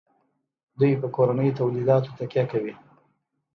دوی په کورنیو تولیداتو تکیه کوي.